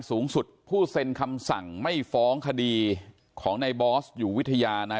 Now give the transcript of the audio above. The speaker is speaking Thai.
สูงสุดผู้เซ็นคำสั่งไม่ฟ้องคดีของในบอสอยู่วิทยานาย